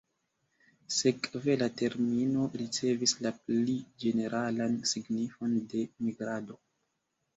Sekve la termino ricevis la pli ĝeneralan signifon de 'migrado".